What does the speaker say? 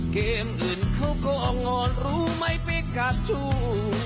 เกมอื่นเขาก็ออกงอนรู้ไหมพลิกกาจู